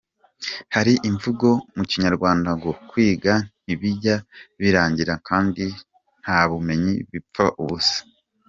Hari imvugo mu Kinyarwanda ngo kwiga ntibijya birangira, kandi ntabumenyi bupfa ubusa.